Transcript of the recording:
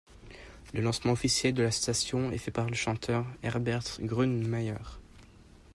Le lancement officiel de la station est fait par le chanteur Herbert Grönemeyer.